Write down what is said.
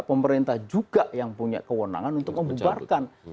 pemerintah juga yang punya kewenangan untuk membubarkan